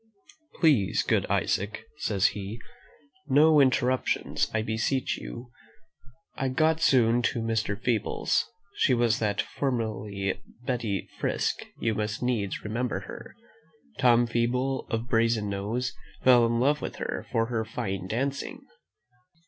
"Peace, good Isaac," says he, "no interruption, I beseech you. I got soon to Mrs. Feeble's, she that was formerly Betty Frisk; you must needs remember her; Tom Feeble, of Brazen Nose, fell in love with her for her fine dancing.